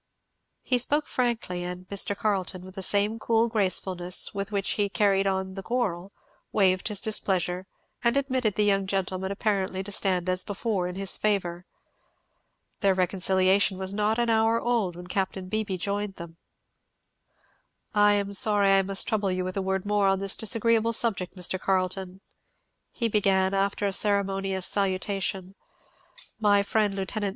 He spoke frankly, and Mr. Carleton, with the same cool gracefulness with which he had carried on the quarrel, waived his displeasure, and admitted the young gentleman apparently to stand as before in his favour. Their reconciliation was not an hour old when Capt. Beebee joined them. "I am sorry I must trouble you with a word more on this disagreeable subject, Mr. Carleton," he began, after a ceremonious salutation, "My friend, Lieut.